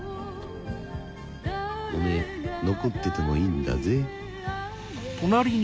おめぇ残っててもいいんだぜ。